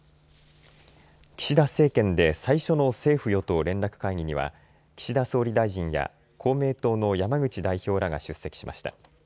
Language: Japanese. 岸田政権で最初の政府与党連絡会議には岸田総理大臣や公明党の山口代表らが出席しました。